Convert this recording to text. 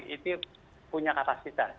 itu punya kapasitas